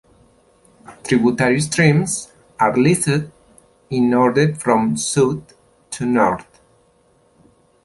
Tributary streams are listed in order from south to north.